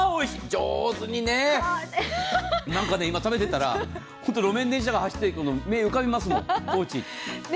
上手にね、今、食べてたら、ふと路面電車が走っていくの目に浮かびますもの。